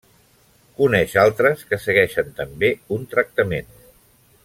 Coneix altres que segueixen també un tractament.